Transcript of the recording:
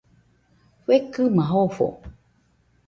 Fekɨma jofo.